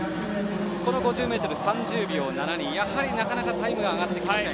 この５０ｍ、３０秒７２なかなかタイムが上がってきません。